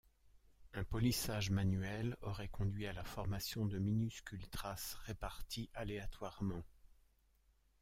Un polissage manuel aurait conduit à la formation de minuscules traces réparties aléatoirement.